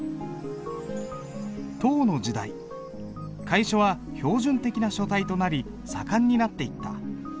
唐の時代楷書は標準的な書体となり盛んになっていった。